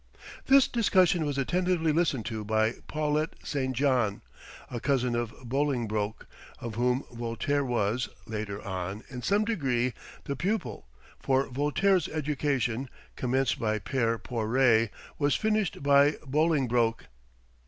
This discussion was attentively listened to by Paulet St. John, a cousin of Bolingbroke, of whom Voltaire was, later on, in some degree the pupil; for Voltaire's education, commenced by Père Porée, was finished by Bolingbroke.